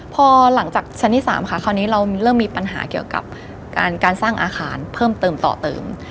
พอหลังจากชั้นที่๓ค่ะคราวนี้เราเริ่มมีปัญหาเกี่ยวกับการสร้างอาคารเพิ่มเติมต่อเติม